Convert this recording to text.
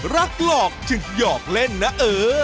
รักหลอกจึงหยอกเล่นนะเออ